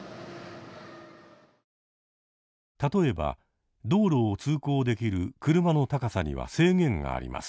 例えば道路を通行できる車の高さには制限があります。